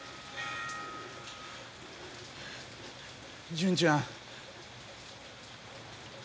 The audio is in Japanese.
純ちゃん。